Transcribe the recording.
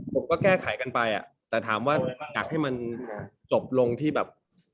ผมก็แก้ไขกันไปแต่ถามว่าอยากให้มันจบลงที่แบบ